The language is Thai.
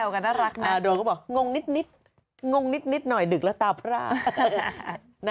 เขาก็แซวกันน่ารักน่ะ